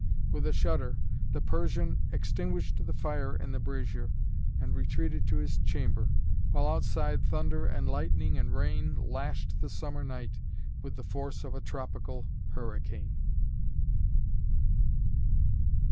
With a shudder the Persian extinguished the fire in the brazier and retreated to his chamber, while outside thunder and lightning and rain lashed the summer night with the force of a tropical hurricane.